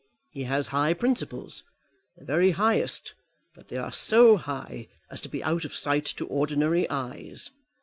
He has high principles, the very highest; but they are so high as to be out of sight to ordinary eyes.